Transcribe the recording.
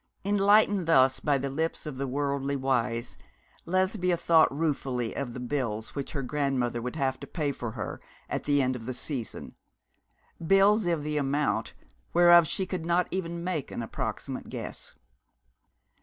Enlightened thus by the lips of the worldly wise, Lesbia thought ruefully of the bills which her grandmother would have to pay for her at the end of the season, bills of the amount whereof she could not even make an approximate guess.